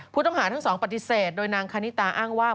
ผู้ต้องหาทั้งสองปฏิเสธโดยนางคณิตาอ้างว่า